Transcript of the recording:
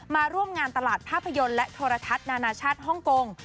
มาร่วมงานตลาดภาพยนตร์และโทรทัศน์นานาชาติฮ่องกง